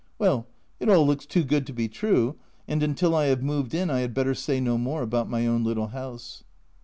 Well, it all looks too good to be true, and until I have moved in I had better say no more about my own little house.